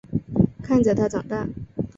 看着他长大